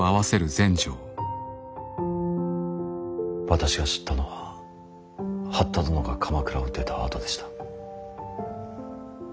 私が知ったのは八田殿が鎌倉を出たあとでした。